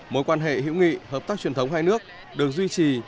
mối quan hệ hữu nghị hợp tác truyền thống hai nước được duy trì